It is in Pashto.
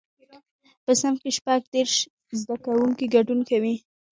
په صنف کې شپږ دیرش زده کوونکي ګډون کوي.